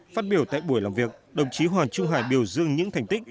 phát biểu tại buổi làm việc đồng chí hoàng trung hải biểu dương những thành tích